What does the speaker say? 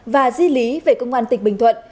và di lý về công an tỉnh bình thuận